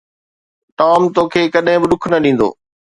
Tom توکي ڪڏهن به ڏک نه ڏيندو